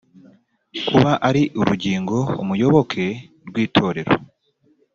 kuba ari urugingo umuyoboke rw itorero